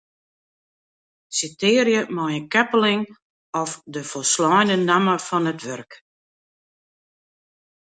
Sitearje mei in keppeling of de folsleine namme fan it wurk.